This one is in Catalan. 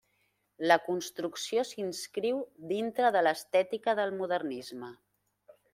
La construcció s'inscriu dintre de l'estètica del modernisme.